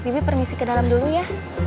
bibi permisi ke dalam dulu ya